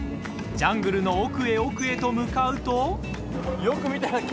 ジャングルの奥へ奥へと向かうと。